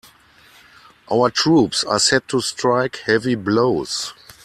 Our troops are set to strike heavy blows.